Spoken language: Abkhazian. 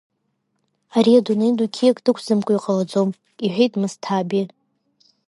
Ари адунеи ду қьиак дықәӡамкәа иҟалаӡом, — иҳәеит Мысҭаабе.